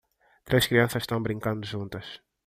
Três crianças estão brincando juntas